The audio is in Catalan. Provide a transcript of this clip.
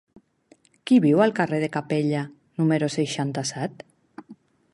Qui viu al carrer de Capella número seixanta-set?